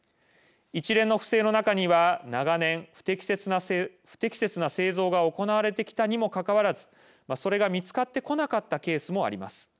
一連の不正の中には長年、不適切な製造が行われてきたにもかかわらずそれが見つかってこなかったケースもあります。